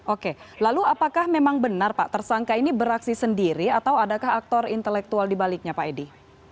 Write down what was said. oke lalu apakah memang benar pak tersangka ini beraksi sendiri atau adakah aktor intelektual dibaliknya pak edi